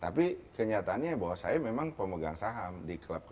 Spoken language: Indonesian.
tapi kenyataannya bahwa saya memang pemegang saham di klub